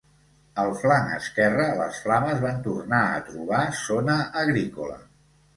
Al flanc esquerre, les flames van tornar a trobar zona agrícola.